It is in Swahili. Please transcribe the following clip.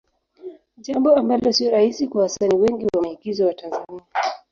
Jambo ambalo sio rahisi kwa wasanii wengi wa maigizo wa Tanzania.